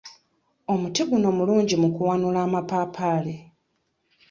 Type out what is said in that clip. Omuti guno mulungi mu kuwanula amapaapaali.